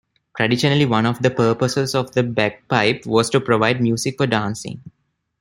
Traditionally, one of the purposes of the bagpipe was to provide music for dancing.